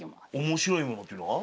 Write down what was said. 面白いものっていうのは？